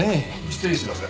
失礼します。